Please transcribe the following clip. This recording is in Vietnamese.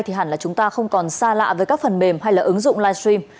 thì hẳn là chúng ta không còn xa lạ với các phần mềm hay là ứng dụng live stream